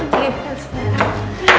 umar bawa gue ke sana